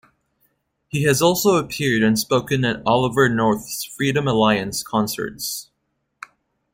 He has also appeared and spoken at Oliver North's "Freedom Alliance" concerts.